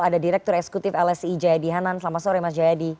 ada direktur eksekutif lsi jayadi hanan selamat sore mas jayadi